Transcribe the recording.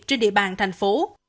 trên địa bàn thành phố